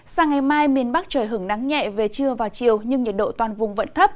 sang ngày mai miền bắc trời hứng nắng nhẹ về trưa và chiều nhưng nhiệt độ toàn vùng vẫn thấp